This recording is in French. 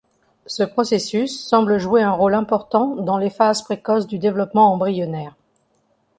Ce processus semble jouer un rôle important dans les phases précoces du développement embryonnaire.